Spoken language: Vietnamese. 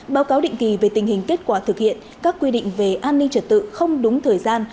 báo cáo định kỳ về tình hình kết quả thực hiện các quy định về an ninh trật tự không đúng thời gian